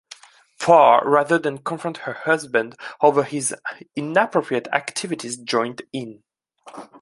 Parr, rather than confront her husband over his inappropriate activities, joined in.